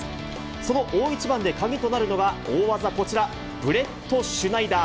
その大一番で鍵となるのが、大技、こちら、ブレットシュナイダー。